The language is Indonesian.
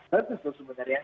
bagus tuh sebenarnya